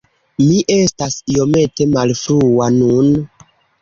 Mi estas iomete malfrua nun.